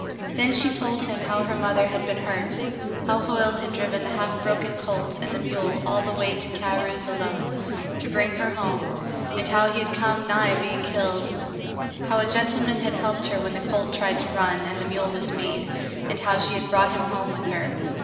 Then she told him how her mother had been hurt. How Hoyle had driven the half broken colt and the mule all the way to Carew's alone, to bring her home, and how he had come nigh being killed. How a gentleman had helped her when the colt tried to run and the mule was mean, and how she had brought him home with her.